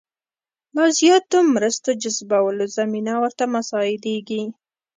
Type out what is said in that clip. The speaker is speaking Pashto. لا زیاتو مرستو جذبولو زمینه ورته مساعدېږي.